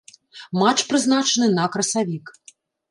Матч прызначаны на красавік.